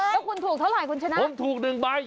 แล้วคุณถูกเท่าไหร่คุณชนะคุณถูก๑ใบ